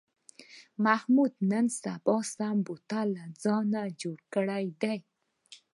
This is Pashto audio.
محمود نن سبا سم بوتل له ځانه جوړ کړی دی.